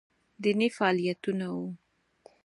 دیني فعالیتونه وو